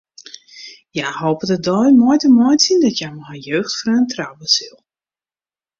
Hja hopet de dei mei te meitsjen dat hja mei har jeugdfreon trouwe sil.